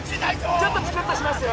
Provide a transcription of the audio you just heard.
ちょっとチクッとしますよ